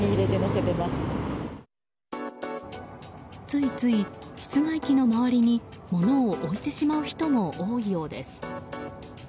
ついつい、室外機の周りに物を置いてしまう人も多いようです。